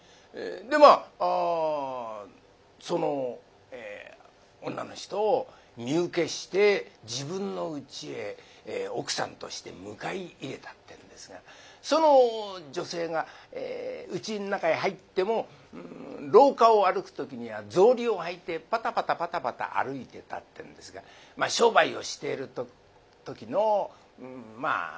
でまあその女の人を身請けして自分のうちへ奥さんとして迎え入れたってんですがその女性がうちの中へ入っても廊下を歩く時には草履を履いてパタパタパタパタ歩いてたってんですがまあ商売をしている時のまあ